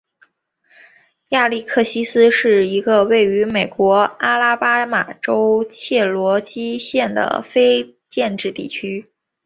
亚历克西斯是一个位于美国阿拉巴马州切罗基县的非建制地区。